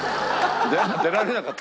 出られなかった？